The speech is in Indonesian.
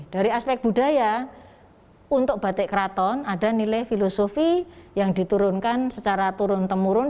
dari aspek budaya untuk batik keraton ada nilai filosofi yang diturunkan secara turun temurun